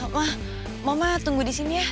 wah mama tunggu di sini ya